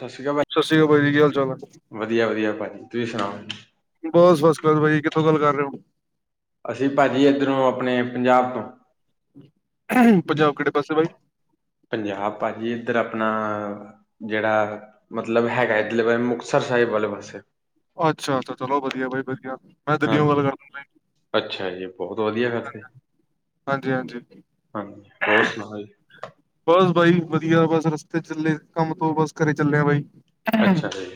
ਸਤਿ ਸ੍ਰੀ ਅਕਾਲ ਭੈਣ ਜੀ। ਸਤਿ ਸ਼੍ਰੀ ਅਕਾਲ ਭਾਜੀ ਕੀ ਹਾਲ ਚਾਲ ਹੈ। ਵਧੀਆ ਵਧੀਆ ਭਾਜੀ ਤੁਸੀਂ ਸੁਣਾਓ। ਬਸ ਬਸ ਕਰ ਬਾਈ ਕਿੱਥੋਂ ਗੱਲ ਕਰ ਰਹੇ ਹੋ। ਅਸੀਂ ਭਾਜੀ ਇੱਧਰੋਂ ਆਪਣੇ ਪੰਜਾਬ ਤੋਂ। ਪੰਜਾਬ ਕਿਹੜੇ ਪਾਸੇ ਬਾਈ। ਪੰਜਾਬ ਭਾਜੀ ਇੱਧਰ ਆਪਣਾ। ਜਿਹੜਾ ਮਤਲਬ ਹੈਗਾ ਇੱਧਰਲੇ ਮੁਕਤਸਰ ਸਾਹਿਬ ਵਾਲੇ ਪਾਸੇ। ਅੱਛਾ ਅੱਛਾ ਚਲੋ ਵਧੀਆ ਬਾਈ ਵਧੀਆ। ਮੈਂ ਦਿੱਲੀਓ ਹਾਂਜੀ ਗੱਲ ਕਰਦਾ ਭਾਈ। ਅੱਛਾ ਜੀ। ਬਹੁਤ ਵਧੀਆ ਗੱਲ ਹੈ ਹਾਂਜੀ ਹਾਂਜੀ ਹਾਂਜੀ ਹੋਰ ਸੁਣਾਓ ਜੀ। ਬਸ ਬਾਈ ਵਧੀਆ ਬਸ ਰਸਤੇ ਚੱਲੇ ਕੰਮ ਤੋਂ ਬਸ ਘਰੇ ਚੱਲੇ ਆ ਬਾਈ। ਅੱਛਾ ਜੀ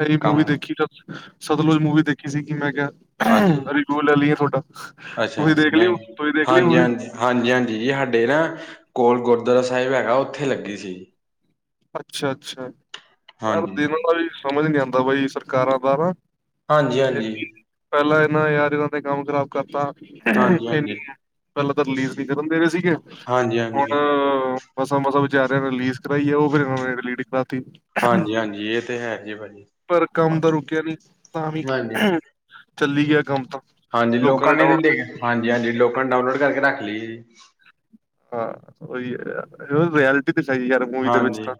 ਸਹੀ ਮੂਵੀ ਕੰਮ ਦੇਖੀ ਜਾਉ ਸਤਲੁਜ ਮੂਵੀ ਦੇਖੀ ਸੀ, ਕਿ ਮੈਂ ਕਿਹਾ, ਹਾਂਜੀ ਰਿਵੀਉ ਲੈ ਲਈਏ ਤੁਹਾਡਾ ਅੱਛਾ ਤੁਸੀਂ ਦੇਖ ਲਈ, ਨਹੀਂ -ਤੁਸੀਂ ਦੇਖ ਲਈ ਹਾਂਜੀ ਮੂਵੀ‌‌? ਹਾਂਜੀ- ਹਾਂਜੀ ਜੀ ਸਾਡੇ ਨਾ ਕੋਲ ਗੁਰਦੁਆਰਾ ਸਾਹਿਬ ਹੈਗਾ, ਉੱਥੇ ਲੱਗੀ ਸੀ। ਅੱਛਾ- ਅੱਛਾ ਯਾਰ ਹਾਂਜੀ ਦਿਨਾਂ ਦਾ ਵੀ ਸਮਝ ਨਈ ਆਉਂਦਾ, ਬਾਈ ਸਰਕਾਰਾਂ ਬਾਰਾਂ ਹਾਂਜੀ- ਹਾਂਜੀ। ਪਹਿਲਾਂ ਇਹਨਾਂ ਨੇ, ਯਾਰੀਆਂ ਤੇ ਕੰਮ ਖ਼ਰਾਬ ਕਰ ਤਾ ਪਹਿਲਾਂ ਹਾਂਜੀ ਹਾਂਜੀ ਤਾਂ, ਰਿਲੀਜ਼ ਨਹੀਂ ਕਰਨ ਦੇ ਰਹੇ ਸੀਗੇ, ਹਾਂਜੀ ਹੁਣ ਹਾਂਜੀ ਮਸਾਂ- ਮਸਾਂ ਵਿਚਾਰਿਆਂ ਨੇ ਰਿਲੀਜ਼ ਕਰਾਈ ਏ, ਉਹ ਫਿਰ ਉਹਨਾਂ ਨੇ, ਡਿਲੀਟ ਕਰਾ ਤੀ। ਹਾਂਜੀ ਹਾਂਜੀ ਇਹ ਤੇ ਹੈ ਜੀ ਭਾਜੀ ਪਰ, ਕੰਮ ਤਾਂ ਰੁਕਿਆ ਨਈ, ਤਾਂ ਵੀ ਹਾਂਜੀ ਚੱਲੀ ਗਿਆ ਕੰਮ ਤਾਂ ਹਾਂਜੀ, ਲੋਕਾਂ ਨੇ ਵੀ ਦੇਖ ਹਾਂਜੀ -ਹਾਂਜੀ ਲੋਕਾਂ ਨੇ, ਡਾਊਨਲੋਡ ਕਰਕੇ ਰੱਖ ਲਈ ਜੀ ਹਾਂ, ਉਹੀ ਐ ਰਐਲਟੀ ਦਿਖਾਈ, ਯਾਰ ਮੂਵੀ ਦੇ ਵਿੱਚ ਹਾਂਜੀ ਤਾਂ,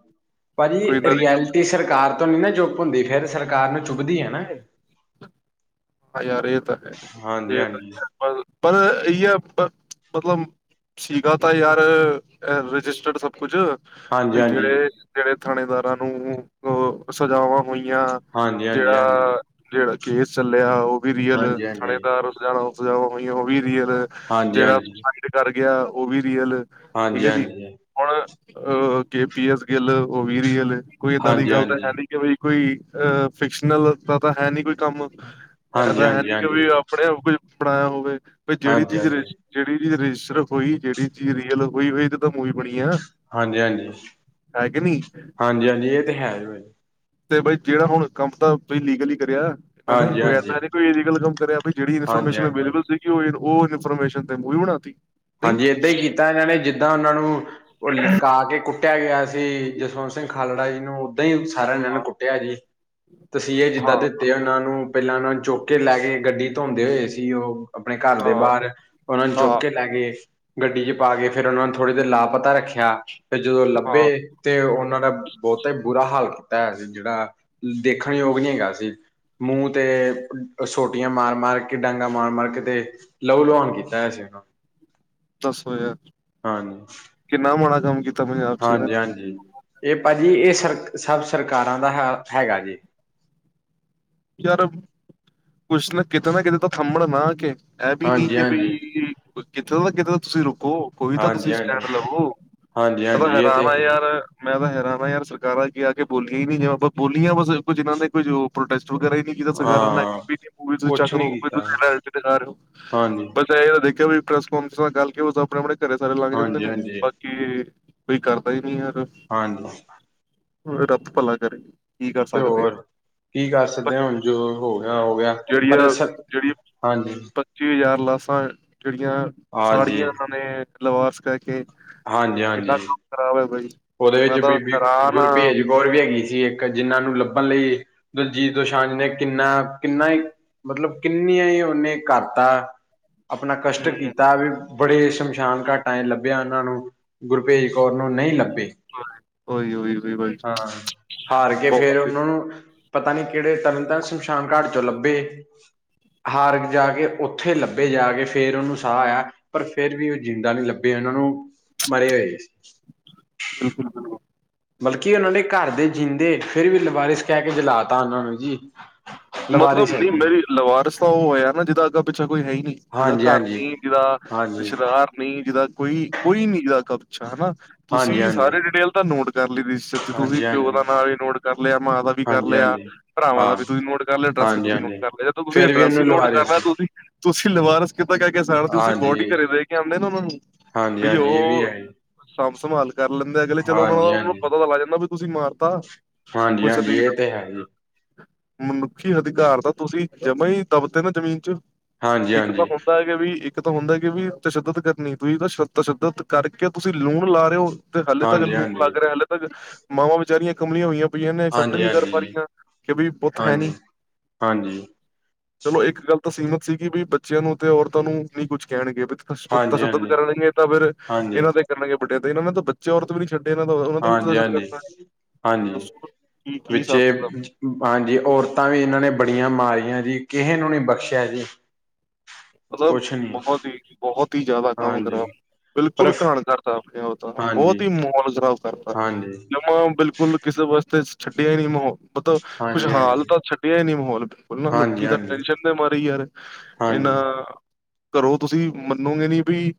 ਭਾਜੀ ਕੋਈ ਇਹਨਾਂ ਦੀ ਰਿਐਲਿਟੀ ਸਰਕਾਰ ਤੋਂ ਨੀ ਨਾ ਚੁੱਪ ਹੁੰਦੀ, ਫੇਰ ਸਰਕਾਰ ਨੂੰ ਚੁੱਭਦੀ, ਆ ਨਾ ਇਹ ਹਾਂ ਯਾਰ ਇਹ ਤਾਂ ਹੈ, ਹਾਂਜੀ ਇਹ ਤਾਂ ਹਾਂਜੀ ਯ ਪਰ -ਪਰ ਇਹ ਇ ਹੈ ਮਤਲਬ ਸੀਗਾ ਤਾਂ ਯਾਰ, ਰਜਿਸਟਰਡ ਸਭ ਕੁਝ ਹਾਂਜੀ ਬਈ ਜਿਹੜੇ -ਜਿਹੜੇ ਥਾਣੇਦਾਰਾਂ ਨੂੰ ਅ ਸਜਾਵਾਂ ਹੋਈਆਂ, ਹਾਂਜੀ ਹਾਂਜੀ ਹਾਂਜੀ ਜਿਹੜਾ ਜਿਹੜਾ ਕੇਸ ਚੱਲਿਆ, ਉਹ ਵੀ ਰੀਅਲ ਹਾਂਜੀ ਥਾਣੇਦਾਰ, ਸਜਾ ਸਜਾਵਾਂ ਹੋਈਆਂ, ਉਹ ਵੀ ਕੀ ਹੋਇਆ ਹਾਂਜੀ ਜਿਹੜਾ ਹਾਂਜੀ ਸੁਸਾਈਡ ਡਰ ਗਿਆ, ਉਹ ਵੀ ਰੀਅਲ ਠੀਕ ਐ ਜੀ, ਹਾਂਜੀ ਹੁਣ ਅਹ ਕੇ ਪੀ ਐਸ ਗਿੱਲ, ਉਹ ਵੀ ਰੀਅਲ, ਕੋਈ ਏਦਾਂ ਦੀ, ਗੱਲ ਤਾਂ ਹਾਂਜੀ ਹਾਂਜੀ ਹੈ ਨਈ ਕਿ ਕੋਈ ਅ ਫਿਕਸ਼ਨਲ, ਦਾ ਤਾਂ ਹੈ ਨਈ ਕੋਈ ਕੰਮ, ਆ ਹਾਂਜੀ ਤਾਂ ਹੈ ਨਈ ਹਾਂਜੀ ਕਿ ਆਪਣੇ ਬਈ ਬਣਾਇਆ ਹੋਵੇ, ਵੀ ਜਿਹੜੀ ਚੀਜ਼ ਹਾਂਜੀ ਹਾਂਜੀ ਜਿਹੜੀ ਚੀਜ਼ ਰਜਿਸਟਰ ਹੋਈ, ਜਿਹੜੀ ਚੀਜ਼ ਰੀਅਲ, ਹੋਈ ਹੋਈ ਇਹ ਤਾਂ ਮੂਵੀ ਬਣੀ ਆ ਹਾਂਜੀ- ਹਾਂਜੀ ਹੈ ਕਿ ਨਹੀਂ ਹਾਂਜੀ- ਹਾਂਜੀ, ਇਹ ਤੇ ਹੈ ਹੀ ਬੇ ਤੇ ਬਈ ਜਿਹੜਾ ਹੁਣ ਕੰਮ ਤਾਂ, ਬਈ ਲੀਗਲੀ ਕਰਿਆਂ ਇਹਨਾਂ ਨੇ, ਹਾਂਜੀ ਵਗੈ ਹਾਂਜੀ ਜਾਂ ਤੇ ਕੋਈ ਇਲਗਲ ਕੰਮ ਕਰਿਆ, ਜਿਹੜੀ ਹਾਂਜੀ ਇਨਫੋਰਮੇਸ਼ਨ ਹਾਂਜੀ ਅਵੇਬਲ ਸੀਗੀ, ਉ ਉਹ ਇਨਫੋਰਮੇਸ਼ਨ ਤੇ, ਮੂਵੀ ਬਣਾ ਤੀ ਹਾਂਜੀ, ਏਦਾਂ ਹੀ ਕੀਤਾ ਇਹਨਾਂ ਨੇ, ਜਿੱਦਾਂ ਉਹਨਾਂ ਨੂੰ ਉਹ ਲਟਕਾ ਕੇ, ਕੁੱਟਿਆਂ ਗਿਆ ਸੀ, ਜਸਵੰਤ ਸਿੰਘ ਖਾਲੜਾ ਜੀ ਨੂੰ, ਓਦਾਂ ਹੀ ਸਾਰਿਆ ਨੇ ਏਨੂੰ, ਕੁੱਟਿਆ ਸੀ, ਤਸੀਹੇ ਜਿੱਦਾਂ ਦੇ ਤੇ ਉਹਨਾਂ ਨੂੰ, ਪਹਿਲਾਂ ਉਹਨਾਂ ਨੂੰ ਚੁਕ ਲੈ ਗਏ, ਗੱਡੀ ਧੋਂਦੇ ਹੋਏ ਸੀ ਉਹ ਆਪਣੇ ਘਰ ਦੇ ਹਾਂ ਬਾਹਰ, ਉਹਨਾਂ ਨੂੰ ਚੱਕ ਹਾਂ ਕੇ ਲੈ ਗਏ ਗੱਡੀ ਚ ਪਾ ਕੇ, ਫੇਰ ਉਹਨਾਂ ਨੇ ਥੋੜ੍ਹੀ ਦੇਰ ਲਾਪਤਾ, ਰੱਖਿਆ ਫੇ ਜਦੋਂ ਲੱਭੇ ਹਾਂ ਤੇ ਉਹਨਾਂ ਦਾ ਬਹੁਤਾ ਹੀ, ਬੁਰਾ ਹਾਲ ਕੀਤਾ ਹੈਆ ਸੀ, ਜਿਹੜਾ ਦੇਖਣ ਯੋਗ ਨਈ ਹੈਗਾ ਸੀ। ਮੂੰਹ ਤੇ ਸੋਟੀਆਂ, ਮਾਰ -ਮਾਰ ਕੇ ਡਾਂਗਾ ਮਾਰ- ਮਾਰ ਕੇ ਤੇ ਲਊ ਲੋਉਣ, ਕੀਤਾ ਹੋਏ ਸੀਂ ਉਹਨੂੰ ਦਸੋ ਯਾਰ ਹਾਂਜੀ। ਕਿੰਨਾ, ਮਾੜਾ ਕੰਮ ਕੀ ਹਾਂਜੀ -ਹਾਂਜੀ, ਇਹ ਭਾਜੀ ਇਹ ਸਰ ਸਭ ਸਰਕਾਰਾਂ ਦਾ ਹਾਲ ਹੈਗਾ ਜੇ ਯਾਰ ਕੁਛ ਨਾ ਕਿਤੇ ਨਾ ਕਿਤੇ, ਤਾਂ ਥੰਮਣ ਨਾ ਕੇ, ਇਹ ਵੀ ਨੀ ਹਾਂਜੀ ਕਿ ਬਈ ਹਾਂਜੀ ਕਿੱਥੋ ਤਾ, ਕਿਤੇ ਦਾ ਤੁਸੀਂ ਰੁਕੋ। ਕੋਈ ਤਾਂ ਤੁਸੀਂ ਹਾਂਜੀ ਹਾਂਜੀ ਸਟੈਂਡ ਲਵੋਂ, ਹਾਂਜੀ ਮੈਂ ਤਾਂ ਹਾਂਜੀ ਇਹ ਹੈਰਾਨ ਤੇ ਆ ਯਾਰ ਮੈਂ ਤਾਂ ਹੈਰਾਨ ਯਾਰ, ਸਰਕਾਰਾਂ ਅੱਗੇ ਆ ਕੇ ਬੋਲੀਆਂ ਹੀ ਨੀ, ਜਿ ਬੋਲੀਆਂ ਬਸ ਕੁਝ ਇਹਨ੍ਹਾਂ ਨੇ, ਕੁੱਝ ਪ੍ਰੋਟੈਸਟ ਵਗੈਰਾ ਹੀ ਨਈ ਕੀ ਪਤਾ ਸਰਕਾਰਾਂ ਹਾਂ ਐਵੇ ਪੁਲਿਸ ਕੁਛ ਚੱਕ ਨੀ ਲਉ [inaudible] ਕੀਤਾ ਹਾਂਜੀ ਇਹ ਤਾਂ ਦੇਖਿਆ, ਵੀ ਪ੍ਰੈਸ ਕਾਨਫਰੰਸ ਨਾਲ ਗੱਲ ਕੀ ਹੋਏ, ਆਪਣੇ- ਆਪਣੇ ਘਰੇ ਸਾਰੇ ਲੰਘ ਜਾਂਦੇ ਹਾਂਜੀ ਨੇ, ਹਾਂਜੀ ਬ ਕੀ ਕੋਈ ਕਰਦਾ ਹੀ ਨੀ ਯਾਰ। ਹਾਂਜੀ। ਰੱਬ ਭਲਾ ਕਰੇ। ਕਰ ਤੇ ਸਕਦੇ ਆ ਹੋਰ ਕੀ ਕਰ ਪਰ ਸਕਦੇ ਅ ਹੁਣ ਜੋ ਹੋ ਗਿਆ ਹੋ ਗਿਆ, ਪਰ ਸਕ, ਹਾਂਜੀ। ਪੱਚੀ ਹਜ਼ਾਰ ਲਾਸਾਂ ਜਿਹੜੀਆਂ ਹਾਂਜੀ ਸਾੜੀਆਂ ਇਹਨਾਂ ਨੇ ਲਵਾਰਿਸ ਕਹਿਕੇ ਹਾਂਜੀ ਹਾਂਜੀ। ਖਰਾਬ ਐ ਕੋਈ ਉਹਦੇ ਵਿੱਚ ਬੀਬੀ ਗੁਰਪੇਜ ਕੌਰ ਵੀ ਹੈਗੀ ਸੀ ਇੱਕ, ਜਿੰਨ੍ਹਾਂ ਨੂੰ ਲੱਭਣ ਲਈ ਦਲਜੀਤ ਦੋਸ਼ਾਂਜ ਨੇ ਕਿੰਨਾ, ਕਿੰਨਾ ਈ ਮਤਲਬ ਕਿੰਨੀਆਂ ਈ ਉਹਨੇ ਕਰਤਾ, ਆਪਣਾ ਕਸ਼ਟ ਹਮ, ਕੀਤਾ ਵੀ ਬੜੇ ਸ਼ਮਸ਼ਾਨ ਘਾਟਾਂ ਚ ਲੱਭਿਆ ਉਹਨਾਂ ਨੂੰ, ਗੁਰਭੇਜ ਕੌਰ ਨੂੰ ਨਈਂ ਲੱਭੇ। ਉਹ ਈ, ਉਹ ਈ ਬਾਈ ਹਾਂ, ਹਾਰ ਕੇ ਫੇਰ ਬਹੁਤ ਜੀ, ਉਹਨਾਂ ਨੂੰ ਪਤਾ ਨੀਂ ਕਿਹੜੇ ਤਰਨਤਾਰਨ ਸ਼ਮਸ਼ਾਨ ਘਾਟ ਚੋਂ ਲੱਭੇ। ਹਾਰਗ ਜਾ ਕੇ ਉੱਥੇ ਲੱਭੇ ਜਾ ਕੇ, ਫੇਰ ਉਹਨੂੰ ਸਾਹ ਆਇਆ। ਪਰ ਫੇਰ ਵੀ ਉਹ ਜਿੰਦਾ ਨਈਂ ਲੱਭੇ ਉਹਨਾਂ ਨੂੰ, ਮਰੇ ਹੋਏ ਸੀ। ਬਿਲਕੁਲ, ਬਿਲਕੁਲ। ਬਲਕਿ, ਉਹਨਾਂ ਨੇ ਘਰ ਦੇ ਜਿੰਂਦੇ, ਫੇਰ ਵੀ ਲਵਾਰਿਸ ਕਹਿ ਕੇ ਜਲਾ ਤਾ ਉਹਨਾਂ ਨੂੰ ਜੀ। ਮਤਲਬ ਲਵਾਰਿਸ ਹੈ ਨਈ ਜੀ ਮੇਰੀ, ਲਵਾਰਸ ਤਾਂ ਉਹ ਹੋਇਆ ਨਾ, ਜਿਹਦਾ ਅੱਗਾ-ਪਿੱਛਾ ਕੋਈ ਹੈ ਈ ਨਈਂ। ਜਿਹਦਾ ਹਾਂਜੀ ਘਰ ਹਾਂਜੀ ਨਈਂ, ਜਿਹਦਾ ਹਾਂਜੀ ਰਿਸ਼ਤੇਦਾਰ ਨਈਂ, ਜਿਹਦਾ ਕੋਈ-ਕੋਈ ਨਈਂ, ਜਿਹਦਾ ਅਗਾ-ਪਿਛਾ ਹਨਾਂ। ਤੁਸੀਂ, ਹਾਂਜੀ ਹਾਂਜੀ ਹਾਂਜੀ ਸਾਰੇ ਡਿਟੇਲ ਤਾਂ ਨੋਟ ਕਰ ਲੀ ਦੀ ਸੱਚ, ਤੁਸੀਂ ਪਿਓ ਹਾਂਜੀ ਦਾ ਨਾਂ ਵੀ ਨੋਟ ਕਰ ਲਿਆ, ਮਾਂ ਦਾ ਵੀ ਕਰ ਹਾਂਜੀ ਲਿਆ। ਹਾਂਜੀ ਭਰਾਵਾਂ ਦਾ ਹਾਂ ਵੀ ਤੁਸੀਂ ਨੋਟ ਐਡਰਸ ਤੁਸੀਂ ਨੋਟ ਹਾਂਜੀ-ਹਾਂਜੀ ਕਰ ਲਿਆ ਤਾ, ਤੁਸੀਂ ਫੇਰ ਵੀ ਐਡਰਸ ਈ ਉਹਨੂੰ ਨੋਟ ਲਵਾਰੇ ਕਰ ਲਿਆ, ਸੀ ਤੁਸੀ, ਤੁਸੀਂ ਲਿਵਾਰਸ ਕਿਦਾਂ ਕਹਿ ਕੇ ਸਾੜੀ, ਤੁਸੀਂ ਬੋਡੀ ਘਰੇ ਦੇ ਕੇ, ਆਉਂਦੇ ਨਾਂ ਉਹਨਾਂ ਨੂੰ! ਹਾਂਜੀ, ਹਾਂਜੀ ਇਹ ਵੀ ਹੈ ਈ। ਸਾਂਭ-ਸੰਭਾਲ ਕਰ ਲੈਂਦੇ ਅਗਲੇ ਚਲੋ ਉਹਨਾ, ਉਹਨਾਂ ਨੂੰ ਹਾਂਜੀ-ਹਾਂਜੀ, ਪਤਾ ਤਾਂ ਲੱਗ ਜਾਂਦਾ ਵੀ, ਤੁਸੀਂ ਮਾਰਤਾ। ਹਾਂਜੀ, ਕੁਛ ਹਾਂਜੀ ਰੀਲ ਇਹ ਤੇ ਹੈ ਜੀ। ਮਨੁੱਖੀ ਅਧਿਕਾਰ ਤਾਂ ਤੁਸੀਂ, ਜਮਾਂ ਈ ਦਬਤੇ ਨਾ ਜ਼ਮੀਨ ਚ। ਇੱਕ ਤਾਂ ਹਾਂਜੀ-ਹਾਂਜੀ, ਮੁੱਦਾ ਹੈ ਵੀ ਇੱਕ ਤਾਂ ਹੁੰਦਾ ਕਿ ਵੀ, ਤਸ਼ੱਦਦ ਕਰਨੀ, ਤੁਸੀ ਤਾਂ ਤਸ਼ਦਤ ਕਰਕੇ ਤੁਸੀਂ ਲੂਣ ਲਾ ਰਹੇ ਹੋ। ਤੇ ਹਾਲੇ ਤੱਕ ਲੂਣ ਹਾਂਜੀ-ਹਾਂਜੀ, ਲੱਗ ਰਿਹਾ। ਹਲੇ ਤੱਕ, ਮਾਵਾਂ ਬਿਚਾਰੀਆਂ ਕਮਲੀਆਂ ਹੋਈਆਂ ਵੀ ਇਹਨੇ ਏਸੇਬਟ ਨੀ ਕਰ ਹਾਂਜੀ-ਹਾਂਜੀ ਪਾ ਜੀ ਰਹੀਆਂ, ਕਿ ਬਈ ਪੁੱਤ ਹੈ ਨੀ। ਹਾਂਜੀ। ਹਾਂਜੀ। ਚਲੋ ਇੱਕ ਗੱਲ ਤਾਂ ਸੀਮਿਤ ਸੀਗੀ, ਬੀ ਬੱਚਿਆਂ ਨੂੰ ਤੇ ਔਰਤਾਂ ਨੂੰ ਨੀ ਕੁੱਝ ਕਹਿਣਗੇ। ਤਸ਼ੱਦਦ ਹਾਂਜੀ, ਕਰਨਗੇ ਤਾਂ ਫਿਰ ਇਹਨਾਂ ਹਾਂਜੀ-ਹਾਂਜੀ। ਦੇ ਕਰਨਗੇ ਵੱਡਿਆ ਤੇ, ਇਹਨਾਂ ਨੇ ਤਾਂ ਬੱਚੇ ਔਰਤਾ ਵੀ ਨਹੀਂ ਛੱਡ ਇਹਨਾ ਦਾ ਉਹਨਾਂ ਤੇ ਵੀ [unintelligible] ਹਾਂਜੀ ਹਾਂਜੀ ਕਟਨਾ ਹੈ। ਹਾਂਜੀ ਦੱਸੋ ਕੀ-ਕੀ, ਵਿੱਚੇ ਹਿਸਾਬ-ਕਿਤਾਬ। ਹਾਂਜੀ ਔਰਤਾਂ ਵੀ ਇਹਨਾਂ ਨੇ ਬੜੀਆਂ ਮਾਰੀਆਂ ਜੀ, ਕਿਹੀ ਨੂੰ ਨੀ ਬਖਸ਼ਿਆ ਜੀ। ਮਤਲਬ ਕੁਛ ਨੀ ਬਹੁਤ ਹੀ, ਬਹੁਤ ਹੀ, ਜ਼ਿਆਦਾ ਕੰਮ ਖਰਾਬ ਹਾਂਜੀ ਪਰ ਬਿਲਕੁਲ, ਘਾਣ ਦਾ ਕਰਤਾ, [unintelligible] ਆਪਣੇ ਉਹ ਤਾਂ, ਬਹੁਤ ਹਾਂਜੀ, ਈ ਮੋਲ ਖਰਾਬ ਕਰ ਹਾਂਜੀ, ਜਮਾ, ਬਿਲਕੁਲ ਕਿਸੇ ਵਾਸਤੇ ਛੱਡਿਆ ਹੀ ਨੀ ਮਾਹੌਲ ਮਤਲਬ, ਕੁਛ ਹਾਲ ਹਾਂਜੀ-ਹਾਂਜੀ, ਤਾਂ ਛੱਡਿਆ ਹੀ ਨੀ ਮਾਹੌਲ ਬਿਲਕੁਲ ਨਾਂ, ਲੋਕੀ ਹਾਂਜੀ-ਹਾਂਜੀ, ਤਾਂ ਹਾਂਜੀ, ਟੈਨਸ਼ਨ ਤੇ ਮਾਰੀ ਯਾਰ ਹਾਂਜੀ। ਇਹਨਾਂ ਘਰੋਂ ਤੁਸੀਂ ਮੰਨੋਗੇ ਨੀਂ ਬਈ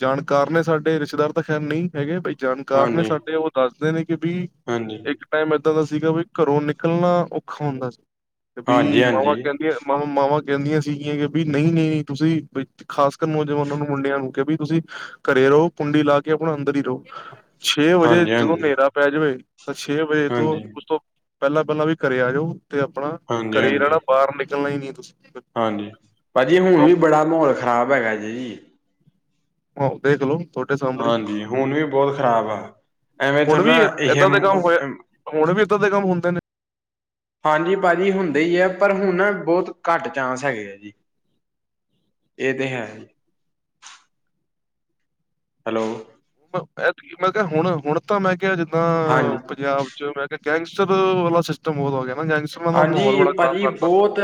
ਜਾਣਕਾਰ ਨੇ ਸਾਡੇ, ਰਿਸ਼ਤੇਦਾਰ ਤਾਂ ਖੈਰ ਨਈਂ ਹੈਗੇ। ਬਈ ਜਾਣਕਾਰ ਨੇ ਹਾਂਜੀ ਸਾਡੇ, ਉਹ ਦੱਸਦੇ ਨੇ ਕਿ ਬੀ ਹਾਂਜੀ। ਟੈਂਮ ਏਦਾਂ ਦਾ ਸੀਗਾ ਵੀ ਬਈ, ਘਰੋਂ ਨਿਕਲਣਾ ਔਖਾ ਹੁੰਦਾ ਸੀ। ਕੇ ਬੀ, ਹਾਂਜੀ-ਹਾਂਜੀ, ਮਾਵਾਂ ਕਹਿੰਦੀਆਂ ਮਾਵਾਂ-ਮਾਵਾਂ ਕਹਿੰਦੀਆਂ ਸੀਗੀਆਂ ਕਿ ਬੀ ਨਹੀਂ-ਨਹੀਂ, ਤੁਸੀਂ ਬਈ, ਖਾਸ ਕਰ ਨੌਜਵਾਨਾਂ ਨੂੰ ਮੁੰਡਿਆਂ ਨੂੰ ਕੇ ਬੀ ਤੁਸੀਂ ਘਰੇ ਰਹੋ, ਕੁੰਡੀ ਲਾ ਕੇ ਆਪਣਾ ਅੰਦਰ ਈ ਰ‌ਓ। ਛੇ ਵਜੇ, ਜਦੋਂ ਹਾਂਜੀ-ਹਾਂਜੀ, ਹਾਂਜੀ, ਨੇਰਾ ਪੈ ਜਵੇ ਤਾਂ ਛੇ ਵਜੇ ਤੋਂ ਹਾਂਜੀ-ਹਾਂਜੀ, ਹਾਂਜੀ। ਉਸ ਤੋਂ ਪਹਿਲਾਂ-ਪਹਿਲਾਂ ਵੀ ਘਰੇ ਆਜੋ ਤੇ ਆਪਣਾ, ਹਾਂਜੀ ਘਰੇ ਹਾਂਜੀ ਰਹਿਣਾ ਬਾਹਰ ਨਿਕਲਣਾ ਈ ਨੀ ਤੁਸੀਂ। ਹਾਂਜੀ, ਭਾਜੀ ਹੁਣ ਵੀ ਬੜਾ ਮਾਹੌਲ ਖ਼ਰਾਬ ਹੈਗਾ ਜੇ ਜੀ। ਓ ਤੇ ਚਲੋ ਜੀ। ਹਾਂਜੀ, ਹੁਣ ਵੀ ਬਹੁਤ ਖ਼ਰਾਬ ਆ, ਐਵੇਂ ਤ ਹੁਣ ਵੀ ਨ ਇਹ ਏਦਾਂ ਦੇ ਕੰਮ ਹੋਇਆ ਹੁਣ ਵੀ, ਇੱਦਾਂ ਦੇ ਕੰਮ ਹੁੰਦੇ ਨੇ? ਹਾਂਜੀ ਭਾਜੀ, ਹੁੰਦੇ ਈ ਐ, ਪਰ ਹੁਣ ਨਾ, ਬਹੁਤ ਘੱਟ ਚਾਂਸ ਹੈਗੇ ਆ ਜੀ। ਇਹ ਤੇ ਹੈ ਈ। ਹੈਲੋ। ਮੈਂ ਕਿਹਾ, ਹੁਣ-ਹੁਣ ਤਾਂ ਮੈਂ ਕਿਹਾ ਜਿੱਦਾਂ, ਹਾਂਜੀ। ਪੰਜਾਬ 'ਚ ਮੈਂ ਕੇ ਗੈਂਗਸਟਰ, ਵਾਲਾ ਸਿਸਟਮ ਬਹੁਤ ਹੋ ਗਿਆ ਨਾ, ਗੈਂਗਸ ਹਾਂਜੀ, ਭਾਜੀ ਬਹੁਤ,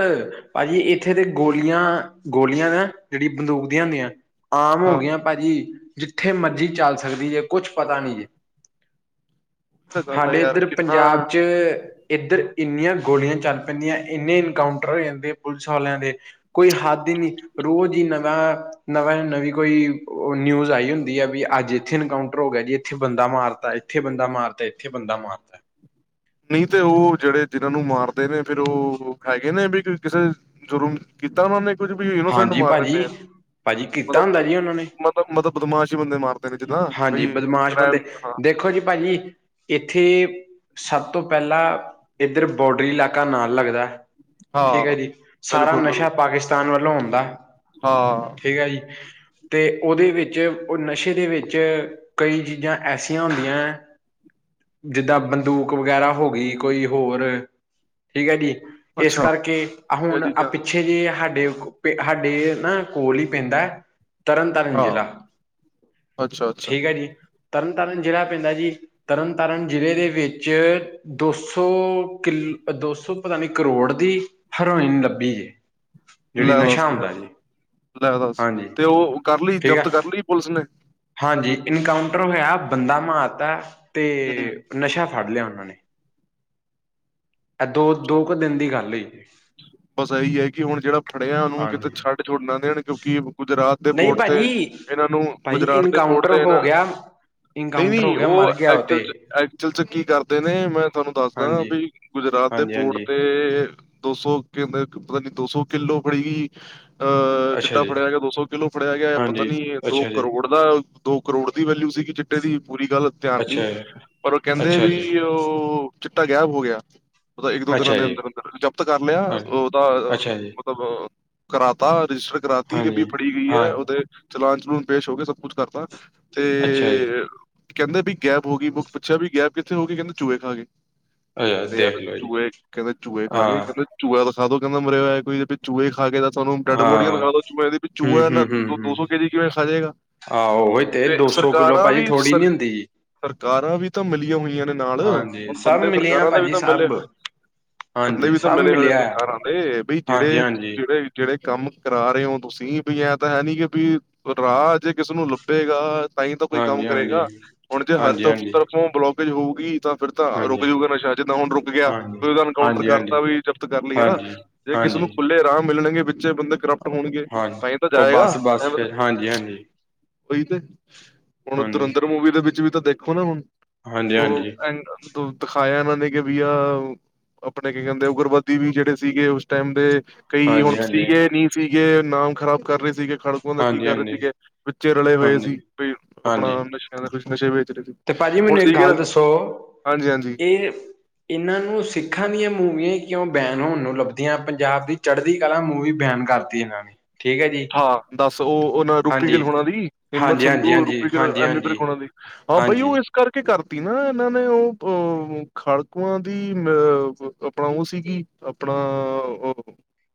ਭਾਜੀ ਇੱਥੇ ਦੇ ਗੋਲੀਆਂ-ਗੋਲੀਆਂ ਦਾ ਜਿਹੜੀ ਬੰਦੂਕ ਦੀਆਂ ਹੁੰਦੀਆਂ, ਆਮ ਹਾਂ ਹੋ ਉਹੀ ਗੀਆਂ ਭਾਜੀ ਜਿੱਥੇ ਮਰਜ਼ੀ ਚੱਲ ਸਕਦੀ ਜੇ, ਕੁਛ ਪਤਾ ਨੀ ਜੇ ਤਾਂ ਗੱਲ ਹੈ ਹਾਡੇ ਯਾਰ ਇੱਧਰ ਕਿੰਨਾ ਪੰਜਾਬ 'ਚ, ਇੱਧਰ ਇੰਨੀਆਂ ਗੋਲੀਆਂ ਚੱਲ ਪੈਂਦੀਆਂ, ਇੰਨੇ ਇਨਕਾਊਂਟਰ ਹੋ ਜਾਂਦੇ ਪੁਲਿਸ ਆਲਿਆਂ ਦੇ ਕੋਈ ਹੱਦ ਈ ਨਹੀਂ, ਰੋਜ਼ ਈ ਨਵਾਂ ਨਵਾਂ-ਨਵੀਂ ਕੋਈ ਓ ਨਿਊਜ ਆਈ ਹੁੰਦੀ ਆ, ਵੀ ਅੱਜ ਏਥੇ ਇਨਕਾਊਂਟਰ ਹੋ ਗਿਆ ਜੀ, ਏਥੇ ਬੰਦਾ ਮਾਰਤਾ ਏਥੇ ਬੰਦਾ ਮਾਰਤਾ, ਏਥੇ ਬੰਦਾ ਮਾਰਤਾ ਨਈ ਤੇ ਓ ਜੇੜੇ ਜਿਨਾਂ ਨੂੰ ਮਾਰਦੇ ਨੇ, ਫੇਰ ਓ ਹੈਗੇ ਨੇ ਵੀ ਕਿਸੇ ਜੁਰਮ ਕੀਤਾ ਓਨਾਂ ਨੇ ਕੁੱਝ ਵੀ, ਇਨੋਸੈਂਟ ਹਾਂਜੀ ਮਾਰ ਰੈਂਨੇ ਭਾਜੀ ਆ। ਭਾਜੀ ਕੀਤਾ ਹੁੰਦਾ ਜੀ ਉਹਨਾਂ ਨੇ ਮਲਬ-ਮਲਬ, ਮਤਬ ਬਦਮਾਸ਼ ਈ ਬੰਦੇ ਮਾਰਤੇ ਨੇ ਜਿੱਦਾਂ, ਹਾਂਜੀ ਬਈ ਬਦਮਾਸ਼ ਕ੍ਰੇਮ ਬੰਦੇ ਦੇਖੋ ਜੀ ਭਾਜੀ। ਏਥੇ ਸਭ ਤੋਂ ਪੈਲਾਂ, ਏਧਰ ਬੋਡਰੀ ਲਾਕਾ ਨਾਲ ਲੱਗਦਾ ਠੀਕ ਐ ਹਾਂ ਜੀ, ਸਾਰਾ ਬਿਲਕੁਲ ਨਸ਼ਾ ਬਿਲਕੁਲ ਪਾਕਿਸਤਾਨ ਵੱਲੋਂ ਆਉਂਦਾ ਹਾਂ। ਠੀਕ ਆ ਜੀ ਤੇ ਓਦੇ ਵਿੱਚ, ਓ ਨਸ਼ੇ ਦੇ ਵਿੱਚ ਕਈ ਚੀਜ਼ਾਂ ਐਸੀਆਂ ਹੁੰਦੀਆਂ ਜਿੰਦਾਂ ਬੰਦੂਕ ਵਗੈਰਾ ਹੋਗੀ, ਕੋਈ ਹੋਰ, ਠੀਕ ਐ ਜੀ। ਏਸ ਅੱਛਾ ਕਰਕੇ, ਆ ਇਹ ਹੁਣ ਚੀਜ਼ਾਂ ਪਿੱਛੇ ਜੇ ਹਾਡੇ ਹਾਡੇ ਨਾ ਕੋਲ੍ਹ ਈ ਪੈਂਦਾ ਤਰਨ ਤਾਰਨ ਹਾਂ ਜ਼ਿਲ੍ਹਾ, ਅੱਛਾ ਅੱਛਾ ਠੀਕ ਐ ਜੀ। ਤਰਨ ਤਾਰਨ ਜ਼ਿਲ੍ਹਾ ਪੈਂਦਾ ਜੀ ਤਰਨ ਤਾਰਨ ਜ਼ਿਲ੍ਹੇ ਦੇ ਵਿੱਚ ਦੋ ਸੋ ਕਿਲ, ਦੋ ਸੋ ਪਤਾ ਨੀ ਕਰੋੜ ਦੀ ਹਰੋਇਨ ਲੱਭੀ ਜੇ। ਜਿਹੜੀ ਲੈ ਦੱਸ ਨਸ਼ਾ ਲਿਆ, ਹੁੰਦਾ ਜੀ ਲੈ ਦੱਸ ਹਾਂਜੀ ਤੇ ਓ ਕਰ ਲਈ ਠੀਕ ਹੈ ਜਬਤ ਕਰ ਲਈ ਪੁਲਿਸ ਨੇ? ਹਾਂਜੀ ਇਨਕਾਊਂਟਰ ਹੋਇਆ, ਬੰਦਾ ਮਾਰਤਾ ਤੇ ਹੂੰ ਨਸ਼ਾ ਫੜ ਲਿਆ ਓਨਾਂ ਨੇ। ਐ ਦੋ-ਦੋ ਕੁ ਦਿਨ ਦੀ ਗੱਲ ਓਈ। ਬਸ ਏਹੀ ਐ ਕਿ ਹੁਣ ਜੇੜਾ ਫੜਿਆ ਨੂੰ ਹਾਂਜੀ ਕਿਤੇ ਛੱਡ-ਛੁਡ ਨਾ ਦੇਣ, ਕਿਉਂਕਿ ਗੁਜਰਾਤ ਦੇ ਨਹੀਂ ਪੋਟ ਤੇ ਭਾਜੀ ਏਨਾਂ ਨੂੰ ਭਾਜੀ ਗੁਜਰਾਟ ਦੇ ਪੋਟ ਇਨਕਾਊਂਟਰ ਤੇ ਹੋ ਨਾ ਗਿਆ ਨਈ ਇਨਕਾਊਂਟਰ ਹੋ ਵੀ ਗਿਆ ਓ ਮਰ ਗਿਆ ਉਹ ਤੇ ਐਕਚੁਲ ਚ, ਐਕਚੁਅਲ ਚ ਕੀ ਕਰਦੇ ਨੇ, ਮੈਂ ਤੁਆਨੂੰ ਦੱਸਦਾ ਹਾਂਜੀ ਵੀ- ਗੁਜਰਾਤ ਦੇ ਹਾਂਜੀ ਪੋਰਟ ਹਾਂਜੀ ਤੇ ਦੋ ਸੌ ਕੈਂਦੇ ਪਤਾ ਨੀ ਦੋ ਸੌ ਕਿੱਲੋ ਫੜੀ ਗਈ। ਆਅ ਅੱਛਾ ਚਿੱਟਾ ਜੀ ਫੜਿਆ ਗਿਆ ਦੋ ਸੌ ਕਿਲੋ ਫੜਿਆ ਗਿਆ। ਪਤਾ ਹਾਂਜੀ ਨੀ ਦੋ ਅੱਛਾ ਜੀ ਕਰੋੜ ਦਾ, ਦੋ ਕਰੋੜ ਦੀ ਵੈਲਿਊ ਸੀਗੀ। ਚਿੱਟਾ ਚਿੱਟੇ ਦੀ ਪੂਰੀ ਗੱਲ ਧਿਆਨ ਨੀ। ਅੱਛਾ ਜੀ ਪਰ ਓ ਕੈਂਦੇ ਅੱਛਾ ਵੀ ਜੀ ਓ- ਚਿੱਟਾ ਗੈਬ ਹੋ ਗਿਆ। ਓ ਦਾ ਇੱਕ ਦੋ ਦਿਨਾਂ ਅੱਛਾ ਦੇ ਜੀ ਅੰਦਰ -ਅੰਦਰ। ਜਬਤ ਕਰ ਲਿਆ। ਹਾਂ ਓਦਾ ਅੱਛਾ ਜੀ ਮਤਬ ਕਰਾਤਾ ਰਜਿਸਟਰ ਕਰਾਤੀ ਕਿ ਹਾਂਜੀ ਵੀ ਫੜੀ ਗਈ ਹਾਂ ਐ। ਓਦੇ- ਚਲਾਨ ਚਲੂਣ ਪੇਸ਼ ਹੋ ਗੇ। ਸਭ ਕੁਛ ਕਰਤਾ। ਅੱਛਾ ਜੀ ਤੇ- ਕੈਂਦੇ ਵੀ ਗੈਪ ਹੋ ਗਈ ਬ ਪੁੱਛਿਆ ਵੀ ਗੈਪ ਕਿੱਥੇ ਹੋ ਗਈ। ਕੈਂਦੇ ਚੂਹੇ ਖਾਗੇ। ਅ ਕੈਂਦੇ ਯਾਰ ਦੇਖ ਲਓ ਜੀ ਚੂਐ ਕੈਂਦੇ ਚੂਐ ਖਾ ਗੇ ਹਾਂ ਕੈਂਦੇ। ਚੂਆ ਦਾਖਾਧੋ ਕੈਂਦਾ ਮਰਿਆ ਹੋਇਆ ਕੋਈ ਵੀ। ਚੂਐ ਖਾ ਗੇ ਤਾਂ। ਸਾਨੂੰ ਡੈਡ ਬੋਡੀਆਂ ਹਾਂ ਦਿਖਾ ਦੋ, ਚੂਇਆ ਦੀ ਵੀ ਹਮ ਚੂਆ ਹਮ ਏਨਾ ਹਮ ਦੋ ਸੌ ਹਮ ਕੇ ਜੀ ਕਿਵੇਂ ਖਾ ਜੇਗਾ। ਆਹੋ ਓਈ ਤੇ ਦੋ ਸੌ ਕਿਲੋ ਭਾਜੀ ਥੋੜੀ ਸਰ ਨੀ ਹੁੰਦੀ ਜੀ। ਸਰਕਾਰਾਂ ਵੀ ਤਾਂ ਮਿਲੀਆਂ ਹੋਈਆਂ ਨੇ ਨਾਲ। ਹਾਂਜੀ ਹੁਣ ਸਭ ਬੰਦੇ ਮਿਲੇ ਆ ਸਰਕਾਰਾਂ ਦਾ ਵੀ ਭਾਜੀ ਤਾਂ ਮਿਲੇ- ਸਭ ਬੰਦੇ ਹਾਂਜੀ ਵੀ ਤਾਂ ਸਭ ਮਿਲੇ ਹੋਏ ਣੇ ਮਿਲਿਆ ਆ। ਸਰਕਾਰਾਂ ਦੇ ਬਈ ਜੇੜੇ ਹਾਂਜੀ ਹਾਂਜੀ ਜੇੜੇ- ਜੇੜੇ ਕੰਮ ਕਰਾ ਰੇ ਓ ਤੁਸੀਂ ਵੀ ਐਂ ਤਾਂ ਹੈ ਨੀ ਕਿ ਵੀ- ਰਾਅ ਜੇ ਕਿਸੇ ਨੂੰ ਲੱਭੇਗਾ। ਤਾਂਈ ਤਾਂ ਕੋਈ ਕੰਮ ਹਾਂਜੀ ਹਾਂਜੀ ਕਰੇਗਾ। ਹੁਣ ਜੇ ਹਰ ਹਾਂਜੀ ਤ ਹਾਂਜੀ ਤਰਫੋਂ ਬਲੋਕੇਜ ਹੋਊਗੀ ਤਾਂ- ਫੇਰ ਤਾਂ ਰੁਕ ਹਾਂਜੀ ਜੂਗਾ ਨਸ਼ਾ ਜਿੱਦਾਂ ਹੁਣ ਰੁਕ ਗਿਆ। ਕੋਈ ਹਾਂਜੀ ਓਦਾ ਇਨਕਾਊਂਟਰ ਕਰਤਾ ਹਾਂਜੀ ਵੀ ਜਦ ਤੱਕ- ਕਰ ਲਈਏ ਹਨਾ। ਹਾਂਜੀ ਜੇ ਕਿਸੇ ਨੂੰ ਹਾਂਜੀ ਹਾਂਜੀ ਖੁੱਲੇ ਰਾਮ ਮਿਲਣਗੇ ਵਿੱਚੇ ਬੰਦੇ- ਕਰਪਟ ਹੋਣਗੇ ਹਾਂਜੀ ਤਾਂਹੀ ਤਾਂ ਉਹ ਜਾਏਗਾ। ਬਸ ਬਸ ਫਿਰ ਹਾਂਜੀ ਹਾਂਜੀ ਓਈ ਤੇ ਹੁਣ ਹਾਂਜੀ ਤੁਰਿੰਦਰ ਮੂਵੀ ਦੇ ਵਿੱਚ ਵੀ ਤਾਂ ਦੇਖੋ ਨਾ ਹੁਣ- ਹਾਂਜੀ ਓ ਹਾਂਜੀ ਐਂਡ ਦਿਖਾਇਆ ਏਨਾਂ ਨੇ ਕੀ ਬਈਆ ਆਪਣੇ ਕੀ ਕੈਂਦੇ ਉਗਰਬੱਦ- ਵੀ ਜਿਹੜੇ ਸੀਗੇ ਓਸ ਟੈਮ ਦੇ। ਕਈ ਹੁਣ ਹਾਂਜੀ ਹਾਂਜੀ ਸੀਗੇ ਨਈ ਸੀਗੇ ਨਾਮ ਖ਼ਰਾਬ ਕਰ ਰਹੇ ਸੀਗੇ। ਖੜਕੂਆਂ ਦਾ ਕੀ ਹਾਂਜੀ ਹਾਂਜੀ ਕਰ ਰੇ ਸੀਗੇ, ਵਿਚੇ ਰਲੇ ਹੋਏ ਹਾਂਜੀ ਸੀ। ਵੀਈ ਆਪਣਾ ਹਾਂਜੀ ਨਸ਼ਿਆਂ ਦੇ ਕੁ ਨਸ਼ੇ ਵੇਚ ਰਹੇ ਸੀ। ਤੇ ਭਾਜੀ ਹੁਣ ਮੈਨੂੰ ਇੱਕ ਸੀਗੇ ਗੱਲ ਨਾ। ਦੱਸੋ। ਹਾਂਜੀ ਹਾਂਜੀ ਏ- ਏਨਾਂ ਨੂੰ ਸਿੱਖਾਂ ਦੀਆਂ ਮੂਵੀਆਂ ਕਿਉਂ ਬੈਨ ਹੋਣ ਨੂੰ ਲੱਭਦੀਆਂ। ਪੰਜਾਬ ਦੀ ਚੜ੍ਹਦੀ ਕਲਾ ਮੂਵੀ ਬੈਨ ਕਰ- ਤੀਨਾਂ। ਹਾਂ ਦਸ ਉਹ ਉਹਨਾਂ ਰੂਪੀ ਗਿੱਲ ਹਾਂਜੀ ਹੁਣਾ ਦੀ। ਹਿੰਮਤ ਹਾਂਜੀ ਸੰਧੂ, ਹਾਂਜੀ ਹਾਂਜੀ ਰੂਪੀ ਹਾਂਜੀ ਗਿੱਲ, ਐਮੀ ਵਿਰਕ ਹਾਂਜੀ ਹੁਣਾ ਦੀ। ਹਾਂ ਭਾਈਓ ਹਾਂਜੀ ਇਸ। ਕਰਕੇ ਕਰਤੀ ਨਾ ਇਹਨਾਂ ਨੇ ਉਹ ਅ ਖਾੜਕੂਆਂ ਦੀ ਅ ਆਪਣਾ ਉਹ ਸੀਗੀ। ਆਪਣਾ,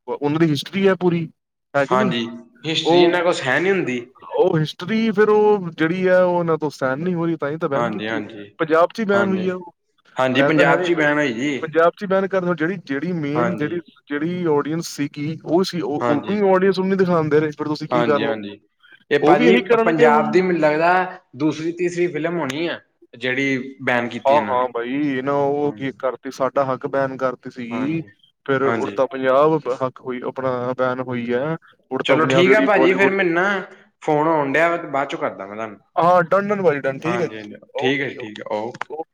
ਉਹਨਾਂ ਦੀ ਹਿਸਟਰੀ ਹੈ ਪੂਰੀ। ਹੈ ਕਿ ਨਹੀਂ ਹਾਂਜੀ। ਹਿਸਟਰੀ ਇਹਨਾਂ ਉਹ ਕੋਲ ਸੈਣ ਨੀ ਹੁੰਦੀ। ਉਹ ਹਿਸਟਰੀ, ਫੇਰ ਉਹ ਜਿਹੜੀ ਹੈ। ਉਹ ਉਹਨਾਂ ਤੋਂ ਸਹਿਣ ਨਹੀਂ ਹੋ ਰਹੀ। ਤ ਹੀ ਤਾਂ ਬੈਨ ਹਾਂਜੀ ਕੀਤੀ ਹੈ, ਪੰਜਾਬ ਚ ਹੀ ਬੈਨ ਹੋਈ ਹੈ ਹਾਂਜੀ ਉਹ ਹਾਂਜੀ ਹਾਂਜੀ ਇਹ ਤਾਂ ਹੈ ਪੰਜਾਬ ਨ 'ਚ ਹੀ ਬੈਨ ਹੋਈ ਜੀ ਪੰਜਾਬ। ਬੈਨ ਕਰ ਜਿਹੜੀ- ਜਿਹੜੀ ਮੇਨ ਹਾਂਜੀ ਜਿਹੜੀ- ਜਿਹੜੀ ਓਡੀਅੰਸ ਸੀਗੀ ਉਹ। ਉਹ ਉਨੇ ਹਾਂਜੀ ਹੀ ਆਡੀਓ ਸੁਣ। ਹਾਂਜੀ- ਹਾਂਜੀ, ਇਹ ਉਹ ਵੀ ਭਾਜੀ ਇਹੀ ਕਰਨਗੇ ਹੁਣ ਪੰਜਾਬ ਦੀ ਮਿੱਟੀ। ਮੈਨੂੰ ਲੱਗਦਾ ਦੂਸਰੀ -ਤੀਸਰੀ ਫਿਲਮ ਹੋਣੀ ਹੈ ਜਿਹੜੀ। ਬੈਨ ਕੀਤੀ ਹਾਂ- ਇਹਨਾਂ ਹਾਂ, ਨੇ ਬਾਈ ਇਹ ਨਾ ਉਹ ਕੀ ਹਾਂਜੀ ਕਰਤੀ ਸਾਡਾ ਹੱਕ ਬੈਨ ਕਰਤੀ ਸੀਗੀ। ਹਾਂਜੀ ਫੇਰ ਹਾਂਜੀ ਉੜਤਾ ਪੰਜਾਬ ਹੱਕ ਹੋਈ ਆਪਣਾ ਬੈਨ ਹੋਈ ਹੈ ਉੜਤਾ ਚਲੋ ਪੰਜਾਬ ਠੀਕ ਆ ਜਿਹੜੀ ਭਾਜੀ ਫਿਰ ਬੋਲੀਵੁੱਡ। ਮੈਨੂੰ ਨਾ। ਫੋਨ ਆਉਣ ਡਿਆ ਵਾ ਬਾਅਦ ਚੋਂ ਕਰਦਾ ਵੈਂ ਤੁਹਾਨੂੰ। ਹਾਂ ਡਨ ਡਨ ਬਾਈ ਡਨ ਠੀਕ ਹੈ ਹਾਂਜੀ ਜੀ ਹ ਠੀਕ ਓਕੇ ਹੈ, ਜੀ ਠੀਕ ਹੈ। ਓਕੇ